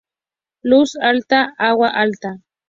Luz alta; agua: alta.